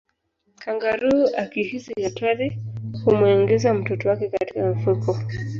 kangaroo akihisi hatari humuingiza mtoto wake katika mfuko